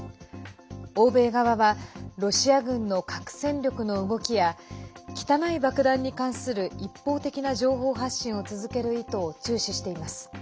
欧米側はロシア軍の核戦力の動きや汚い爆弾に関する一方的な情報発信を続ける意図を注視しています。